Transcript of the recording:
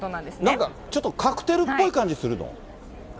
なんかちょっとカクテルっぽい感じするの？